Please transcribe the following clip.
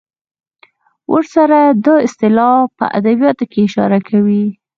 ورسره دا اصطلاح په ادبیاتو کې اشاره کوي.